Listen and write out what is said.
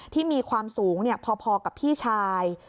ที่มีความสูงพอกับพี่ชาย